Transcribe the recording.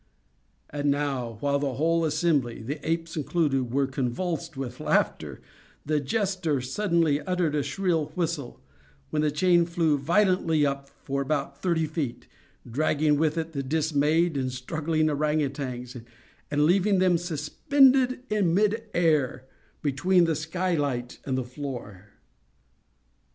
And now, while the whole assembly (the apes included) were convulsed with laughter, the jester suddenly uttered a shrill whistle; when the chain flew violently up for about thirty feet—dragging with it the dismayed and struggling ourang outangs, and leaving them suspended in mid air between the sky light and the floor.